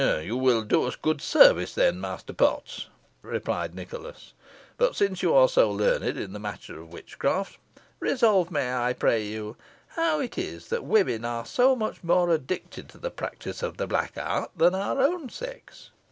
"You will do us good service then, Master Potts," replied Nicholas. "But since you are so learned in the matter of witchcraft, resolve me, I pray you, how it is, that women are so much more addicted to the practice of the black art than our own sex."